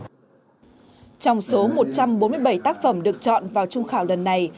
trong số một trăm bốn mươi bảy tác phẩm được chọn vào trung khảo lần này